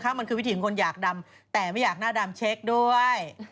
มันคือวิถีของคนอยากดำแต่ไม่อยากหน้าดำเช็คด้วย